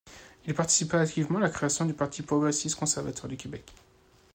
Il participa activement à la création du parti progressiste conservateur du Québec.